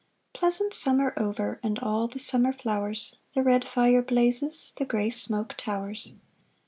Pleasant summer over And all the summer flowers, The red fire blazes, The grey smoke towers.